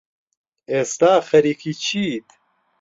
ئێستا خەریکی چیت؟